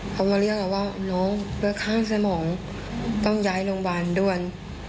เขามาเรียกเราว่าน้องเลือดข้างสมองต้องย้ายโรงพยาบาลด้วย